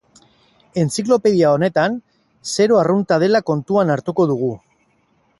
Entziklopedia honetan, zero arrunta dela kontuan hartuko dugu.